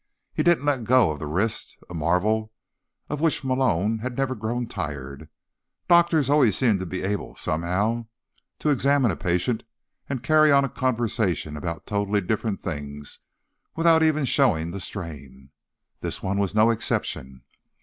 He didn't let go of the wrist, a marvel of which Malone had never grown tired. Doctors always seemed to be able, somehow, to examine a patient and carry on a conversation about totally different things, without even showing the strain. This one was no exception.